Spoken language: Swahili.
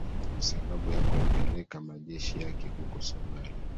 kwa sababu ya kuyapeleka majeshi yake huko somali